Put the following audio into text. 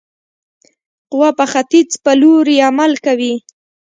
قوه په ختیځ په لوري عمل کوي.